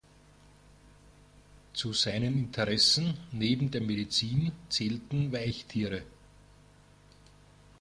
Zu seinen Interessen neben der Medizin zählten Weichtiere.